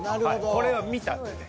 これは見たんで。